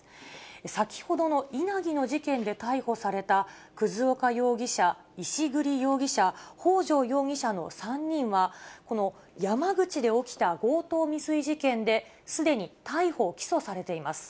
先ほどの稲城の事件で逮捕された葛岡容疑者、石栗容疑者、北条容疑者の３人は、この山口で起きた強盗未遂事件で、すでに逮捕・起訴されています。